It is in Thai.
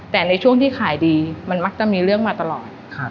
แต่ในช่วงที่ขายดีมันมักจะมีเรื่องมาตลอด